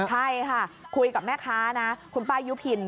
ใช่ค่ะคุยกับแม่ค้านะคุณป้ายุพิน